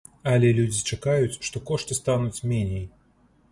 Але людзі чакаюць, што кошты стануць меней.